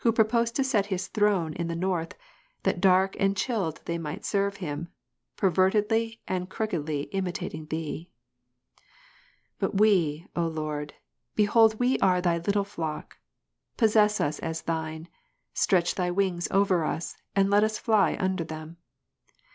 14, purposed to set his throne in the north, that dark and chilled they might serve him, pervertedly and crookedly Luke 12, imitating Thee. But we, O Lord, behold we are Thy little flock ; possess us as Thine, stretch Thy wings over us, and let us fly under them.